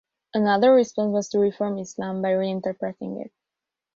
Another response was to reform Islam by reinterpreting it.